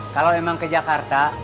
kalau emang ke jakarta